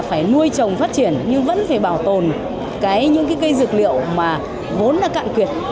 phải nuôi trồng phát triển nhưng vẫn phải bảo tồn cái những cái dược liệu mà vốn đã cạn quyệt